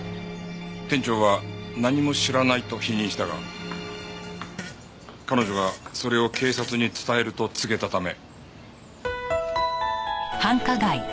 店長は何も知らないと否認したが彼女がそれを警察に伝えると告げたため。